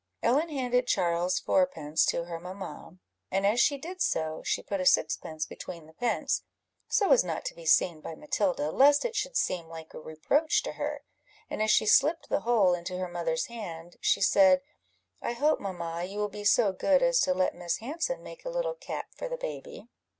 Ellen handed Charles's fourpence to her mamma; and as she did so, she put a sixpence between the pence, so as not to be seen by Matilda, lest it should seem like a reproach to her; and as she slipped the whole into her mother's hand, she said "I hope, mamma, you will be so good as to let Miss Hanson make a little cap for the baby?"